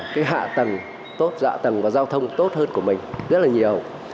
cái hạ tầng tốt hạ tầng và giao thông tốt hơn của mình rất là nhiều